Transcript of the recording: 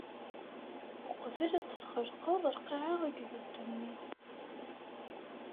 Uqbel ad d-txelqeḍ lqaɛa akked ddunit.